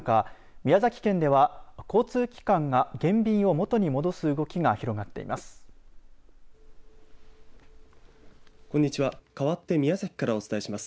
宮崎県では交通機関が減便を元に戻す動きが広がっています。